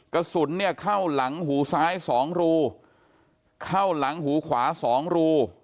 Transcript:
กระสุนเนี่ยเข้าหลังหูซ้ายสองรูเข้าหลังหูขวาสองรู